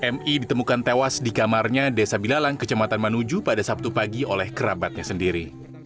mi ditemukan tewas di kamarnya desa bilalang kecamatan manuju pada sabtu pagi oleh kerabatnya sendiri